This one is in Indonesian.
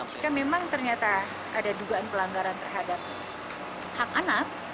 jika memang ternyata ada dugaan pelanggaran terhadap hak anak